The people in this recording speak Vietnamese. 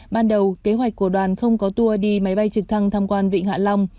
ban đầu kế hoạch của đoàn không có tour đi máy bay trực thăng tham quan vịnh hạ long